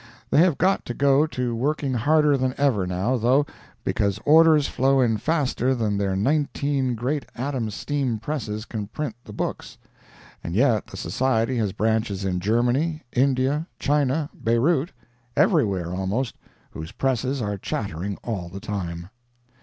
They have got to go to working harder than ever, now, though, because orders flow in faster than their nineteen great Adams' steam presses can print the books. And yet the Society has branches in Germany, India, China, Beirout—everywhere, almost—whose presses are chattering all the time.